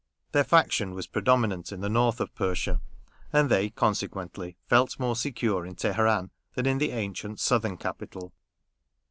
Their faction was predominant in the North of Persia, and they, consequently, felt more secure in Teheran than in the ancient southern capital.